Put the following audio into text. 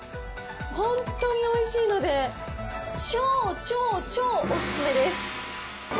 本当においしいので、超超超お勧めです。